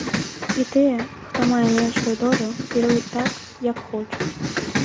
І тыя, хто мае меншую долю, кіруюць так, як хочуць.